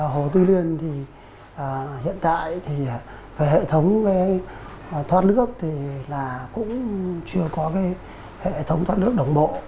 hồ tuy liên thì hiện tại thì về hệ thống thoát nước thì là cũng chưa có cái hệ thống thoát nước đồng bộ